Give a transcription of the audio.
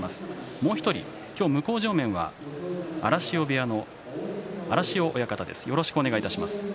もう１人向正面は荒汐部屋の荒汐親方です。